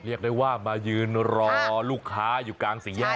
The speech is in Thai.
เรียกได้ว่ามายืนรอลูกค้าอยู่กลางสี่แยก